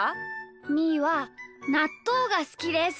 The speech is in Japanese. みーはなっとうがすきです。